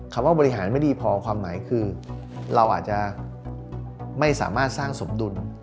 ว่าบริหารไม่ดีพอความหมายคือเราอาจจะไม่สามารถสร้างสมดุล